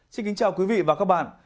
xin kính chào quý vị và các bạn